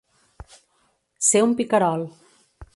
Ser un picarol.